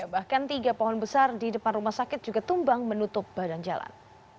bahkan tiga pohon besar di depan rumah sakit juga tumbang menutup badan jalan